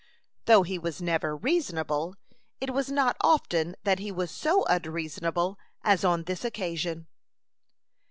Though he was never reasonable, it was not often that he was so unreasonable as on this occasion.